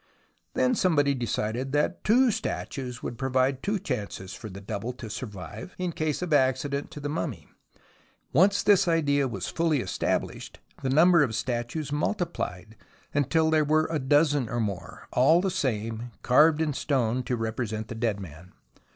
Then somebody decided that two statues would provide two chances for the double to survive in case of accident to the mumm}^ and once the idea was fully established the number of statues multiplied until there was a dozen or more, all the same, carved in stone, to represent the dead man.